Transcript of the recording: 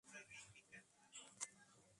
Trabaja con Olivier Messiaen y Darius Milhaud.